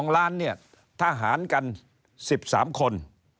๒ล้านเนี่ยทหารกัน๑๓คน